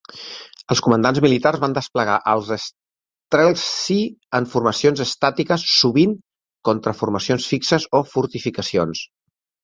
Els comandants militars van desplegar els streltsy en formacions estàtiques, sovint contra formacions fixes o fortificacions.